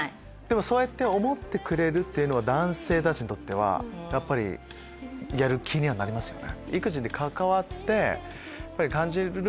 そうやってくれるっていうのは男性たちにとってはやっぱりやる気にはなりますよね。